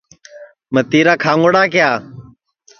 متِیرا کھاؤنگڑا کِیا